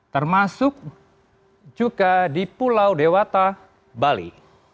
termasuk juga di pulau dewata bali